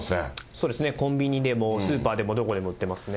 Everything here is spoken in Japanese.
そうですね、コンビニでもスーパーでもどこでも売ってますね。